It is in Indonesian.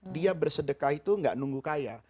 dia bersedekah itu gak nunggu kaya